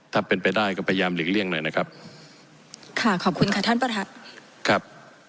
ถ้าเป็นไปได้ก็พยายามหลีกเลี่ยงหน่อยนะครับค่ะขอบคุณค่ะท่านประธานครับ